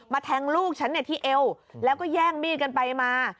แทงลูกฉันที่เอวแล้วก็แย่งมีดกันไปมา